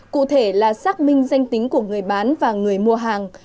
cụ thể là xác minh danh tính của người bán và người mua hàng